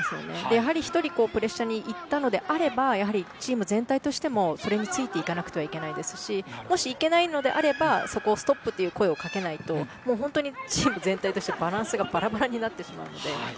やはり１人、プレッシャーに行ったのであればチーム全体としてもそれについていかないといけないですしいけないのであればストップという声をかけないと本当にチーム全体のバランスがバラバラになってしまうので。